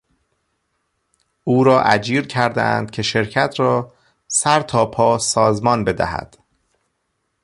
او را اجیر کردهاند که شرکت را سرتاپا سازمان بدهد.